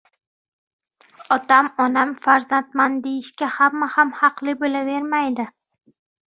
• Otaman, onaman, farzandman deyishga hamma ham haqli bo‘lavermaydi.